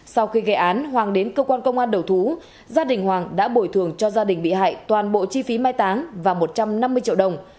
sau khi gây án hoàng đến cơ quan công an đầu thú gia đình hoàng đã bồi thường cho gia đình bị hại toàn bộ chi phí mai táng và một trăm năm mươi triệu đồng